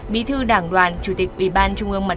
bi thư đảng đoàn chủ tịch ubnd